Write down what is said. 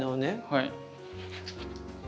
はい。